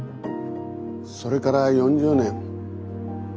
それから４０年。